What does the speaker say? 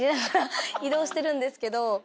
してるんですけど。